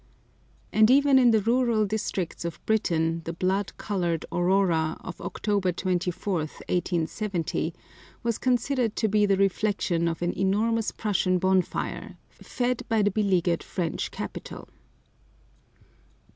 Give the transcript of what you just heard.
And even in the rural districts of Britain, the blood coloured aurora, of October 24th, 1870, was considered to be the reflection of an enormous Prussian bonfire, fed by the beleaguered French capital.